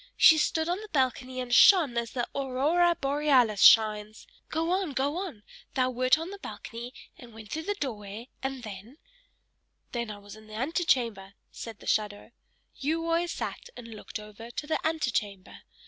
She stood on the balcony and shone as the Aurora Borealis shines. Go on, go on thou wert on the balcony, and went through the doorway, and then " "Then I was in the antechamber," said the shadow. "You always sat and looked over to the antechamber.